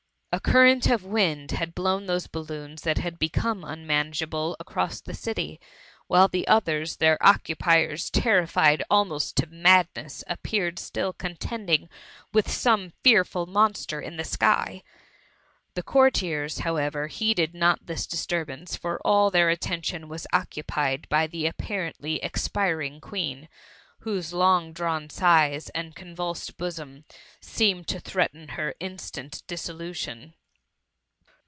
A current of wind had blown those balloons that had become unmanageable across the city, while the others, their occupiers, terrified al most to madness appeared still contending with some fearful monster in the sky. The courtiers, however, heeded not this disturbance ; for all their attention was occu pied by the apparently expiring Queen, whose long drawn sighs, and convulsed bosom, seemed to threaten her instant dissolution.